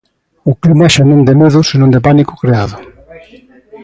O clima xa non de medo, senón de pánico creado.